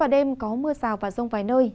đêm có mưa rào và sông phái nơi